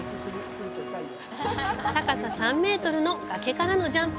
高さ３メートルの崖からのジャンプ。